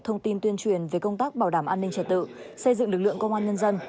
thông tin tuyên truyền về công tác bảo đảm an ninh trật tự xây dựng lực lượng công an nhân dân